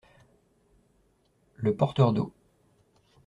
Le porteur d’eau.